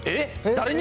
誰に？